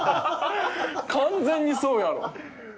完全にそうやろ。